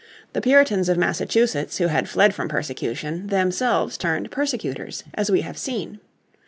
The Puritans of Massachusetts who had fled from persecution, themselves turned persecutors as we have seen.